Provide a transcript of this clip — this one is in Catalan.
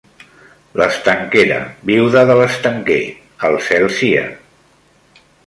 L'estanquera, viuda del estanquer, al cel sia